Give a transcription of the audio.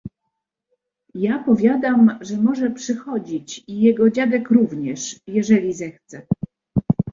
"Ja powiadam, że może przychodzić i jego dziadek również, jeżeli zechce."